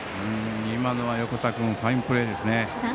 今のは横田君ファインプレーですね。